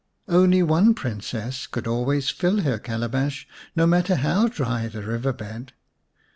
Only one Princess could always fill her calabash, no matter how dry the river bed.